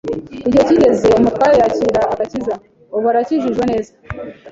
igihe kigeze umutware yakira agakiza, ubu arakijijwe neza